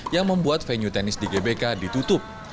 yang membuat venue tenis di gbk ditutup